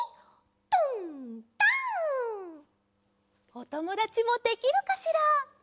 おともだちもできるかしら？